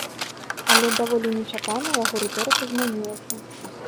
Але даволі нечакана яго рыторыка змянілася.